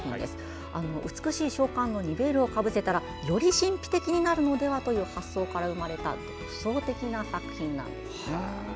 美しい聖観音にヴェールをかぶせたらより神秘的になるのではという発想から生まれた独創的な作品なんです。